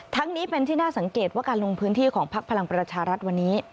นี้เป็นที่น่าสังเกตว่าการลงพื้นที่ของพักพลังประชารัฐวันนี้